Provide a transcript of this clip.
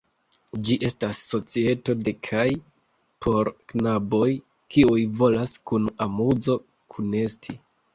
Ĝi estas societo de kaj por knaboj, kiuj volas kun amuzo kunesti.